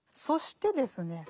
そしてですね